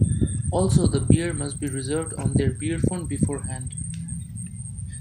Also, the beer must be reserved on their "beerphone" beforehand.